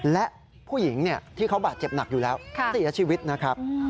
และผู้หญิงที่เขาบาดเจ็บหนักอยู่แล้วเสียชีวิตนะครับ